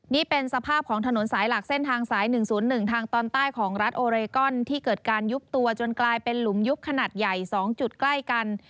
นี่เป็นสภาพของถนนสายหลักเส้นทางสาย๑๐๑ทางตอนใต้ของรัฐโอเรกอนที่เกิดการยุบตัวจนกลายเป็นหลุมยุบขนาดใหญ่๒จุดใกล้กัน